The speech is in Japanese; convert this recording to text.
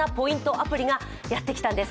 アプリがやってきたんです。